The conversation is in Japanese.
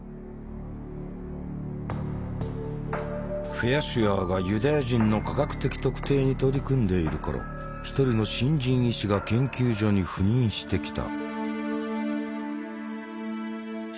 フェアシュアーがユダヤ人の科学的特定に取り組んでいる頃一人の新人医師が研究所に赴任してきた。